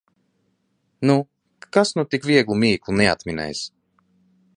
Nu, kas nu tik vieglu mīklu neatminēs!